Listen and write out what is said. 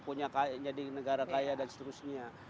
punya jadi negara kaya dan seterusnya